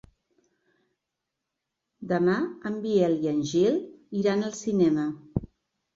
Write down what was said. Demà en Biel i en Gil iran al cinema.